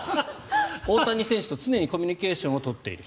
大谷選手と常にコミュニケーションを取っている。